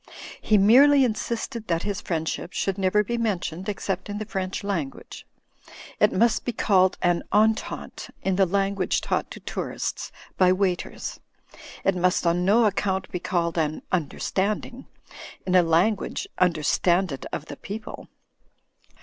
He merely insisted that his friendship should never be mentioned except in the French language. It must be called an "entente" in the language taught to tourists by waiters. It must on no account be called an "tmderstanding," in a language understanded of the people.